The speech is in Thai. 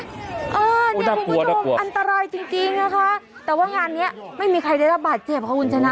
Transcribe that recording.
น่ากลัวน่ากลัวน่ากลัวอันตรายจริงนะคะแต่ว่างานนี้ไม่มีใครได้รับบาดเจ็บเพราะกุญชนะ